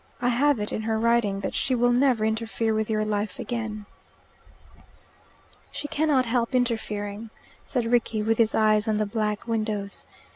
I have it, in her writing, that she will never interfere with your life again." "She cannot help interfering," said Rickie, with his eyes on the black windows.